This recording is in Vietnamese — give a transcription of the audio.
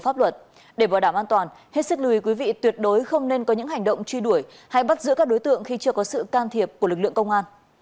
hết sức lùi quý vị tuyệt đối không nên có những hành động truy đuổi hay bắt giữ các đối tượng khi chưa có sự can thiệp của lực lượng công an